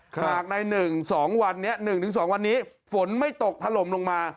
หากใน๑๒วันนี้ฝนไม่ตกทะลมลงมา